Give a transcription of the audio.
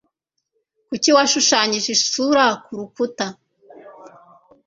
Kuki washushanyije isura kurukuta?